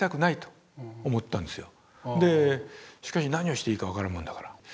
しかし何をしていいか分からんもんだから。